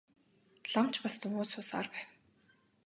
Лам ч бас дуугүй суусаар байв.